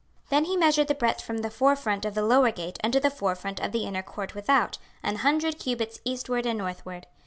26:040:019 Then he measured the breadth from the forefront of the lower gate unto the forefront of the inner court without, an hundred cubits eastward and northward.